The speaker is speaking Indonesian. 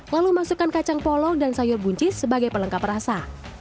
lalu masukkan kacang polong dan sayur buncis sebagai pelengkap rasa